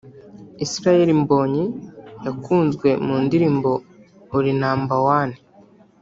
Israel Mbonyi yakunzwe mu ndirimbo Uri number One